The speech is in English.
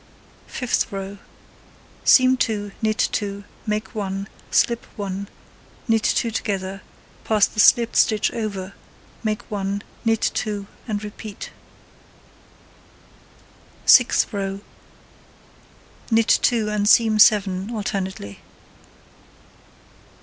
Fifth row: Seam 2, knit 2, make 1, slip 1, knit 2 together, pass the slipped stitch over, make 1, knit 2, and repeat. Sixth row: Knit 2, and seam 7 alternately.